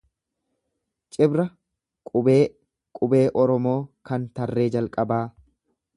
Cibra Qubee qubee Oromoo kan tarree calqabaa.